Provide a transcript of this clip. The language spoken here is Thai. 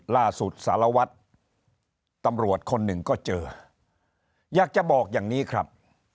สารวัตรตำรวจคนหนึ่งก็เจออยากจะบอกอย่างนี้ครับ